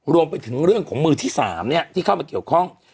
รวมไปถึงเรื่องของมือที่๓ที่เข้ามาเกี่ยวข้อง